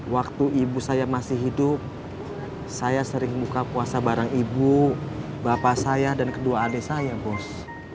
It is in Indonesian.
waktu ibu saya masih hidup saya sering buka puasa bareng ibu bapak saya dan kedua adik saya bos